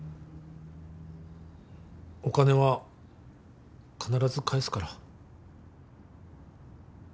お金は必ず返すから。